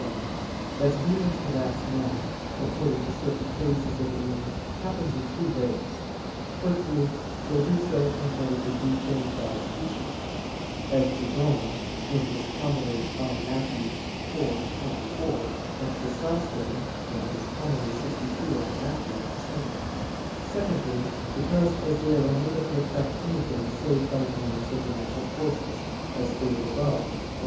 1: That demons harass men, according to certain phases of the moon, happens in two ways. Firstly, they do so in order to "defame God's creature," namely, the moon; as Jerome (In Matt. iv, 24) and Chrysostom (Hom. lvii in Matt.) say. Secondly, because as they are unable to effect anything save by means of the natural forces, as stated above (Q.